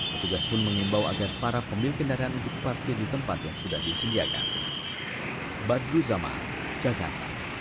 petugas pun mengimbau agar para pemilik kendaraan untuk parkir di tempat yang sudah disediakan